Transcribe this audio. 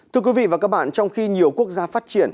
thưa quý vị và các bạn trong khi nhiều quốc gia phát triển